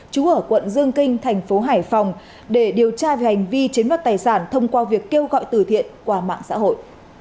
chú ở quận dương kinh thành phố hải phòng để điều tra về hành vi chiếm đoạt tài sản thông qua việc kêu gọi tử thiện qua mạng xã hội